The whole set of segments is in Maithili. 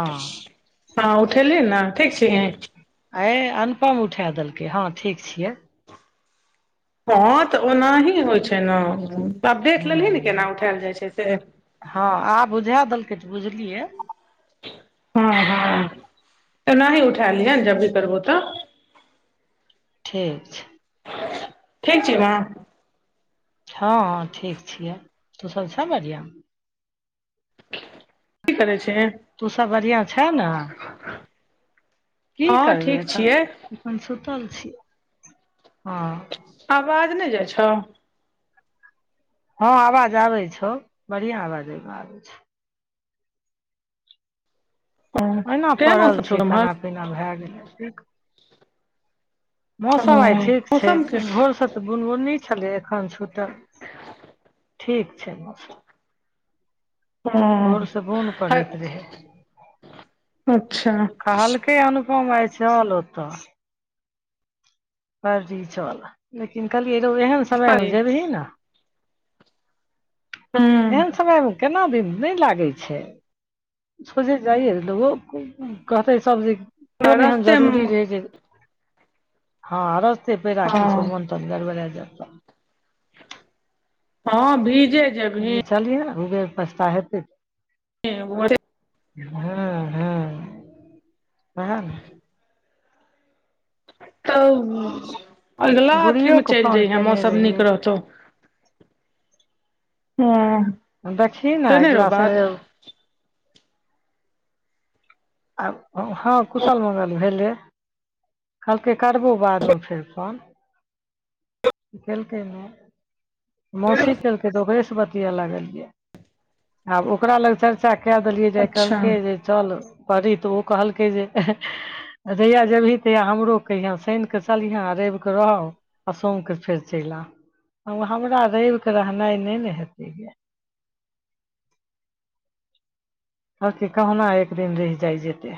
हँ हाँ उठेलही न ठीक छिहीं अए अनुपम उठा देलकै हँ ठीक छियै हँ तऽ ओनाही होइ छै ने आब देख लेलही ने हूँ केना उठैल जाइ छै से हँ आब बुझै देलकै तऽ बुझलियै हँ हँ एनाही उठै लिहेंन जब भी करबौ तऽ ठीक छै ठीक छीहीं ना हँ हँ ठीक छियै तू सब छै बढियाँ की करै छीहीं तू सब बढ़ियाँ छै न की हँ करबै ठीक एखन छियै एखन सुतल छियौ हँ आवाज नै जाइ छौ हँ आवाज आबय छौ बढ़ियाँ आवाज आबय छौ ओ ओहिना केहन पड़ल मौसम छौ छीयै खाना उम्हर पीना भए गेलै एक ओ मौसम आइ ठीक छै मौसम के भोरसँ तऽ बुनगुनी छलै एखन छूटल ठीक छै मौसम ओ भोरसँ बुन्द पड़ैत रहै। अच्छा कहलकै अनुपम आय चल ओतऽ। पर्री चल लेकिन कहलियै रौ एहन समयमे जेबही न हुँ एहन समयमे केना दिन नहि लागै छै। सोझे जाइ लोकगो कहतै सब जे। कोन एहेन रस्ते मे जरूरी रहै जे। हँ रस्ते पेरा किछो हँ मोन तन गड़बड़ा जाय तऽ हँ भीजे। जेबही कहलियै चलियै उबेेर पछ्ता हेतै। [unintelligible] हँ हँ सेहा नऽ तब अगला अथी मऽ गुड़ियोके चलि फोन जइहे केने मौसम नीक रहियै रहतौ। [unintelligible] देखी नऽ केने रहो एगला शनि बात रेब हँ कुशल मंगल भेलेय कहलकै करबो बादमे फेर फोन केलकै नहि। मौसी केलकै त ओकरे सऽ बतिया लागलियै आब ओकरा लग। चर्चा कए देलियै जे आ अच्छा कहलकै जे चल पढ़ी त ओ कहलकै जे। जहैया जेबही तैहया हमरो कहिहा शैन क चलिहँ रवि कऽ रहब। आ सोम्के फेर चैल आएब हमरा रैब के रहनाइ नहि नऽ हेतै गेय कहलकेय कोहना एक दिन रही जाइ जेतै।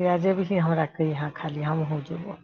जहिया जेबहि हमरा कहिया खाली हमहू जेबो।